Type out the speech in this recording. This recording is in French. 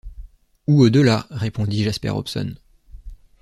Ou au-delà, répondit Jasper Hobson.